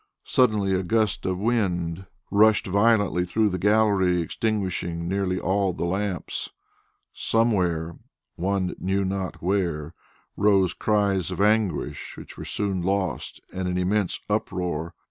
Suddenly a gust of wind rushed violently through the gallery, extinguishing nearly all the lamps. Somewhere, one knew not where, rose cries of anguish which were soon lost in an immense uproar.